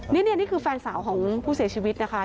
นี่คือแฟนสาวของผู้เสียชีวิตนะคะ